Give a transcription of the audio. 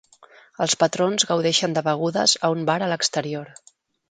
Els patrons gaudeixen de begudes a un bar a l'exterior.